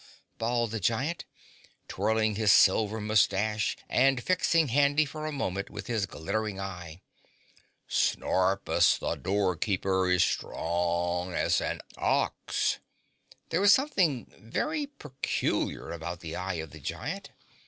bawled the Giant, twirling his silver moustache and fixing Handy for a moment with his glittering eye. "Snorpus the Door Keeper is strong as an OX!" There was something very peculiar about the eye of the Giant.